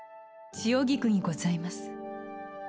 千代菊にございます。